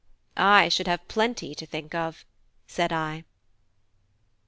"I should have plenty to think of," said I.